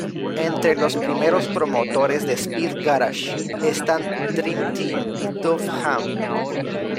Entre los primeros promotores de speed garage están Dream Team y Tuff Jam.